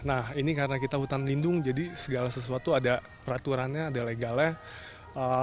nah ini karena kita hutan lindung jadi segala sesuatu ada peraturannya ada legalnya